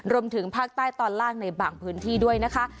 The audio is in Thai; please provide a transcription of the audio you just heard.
รวมถึงภาคใต้ตอนล่างในบางพื้นที่ด้วยนะคะ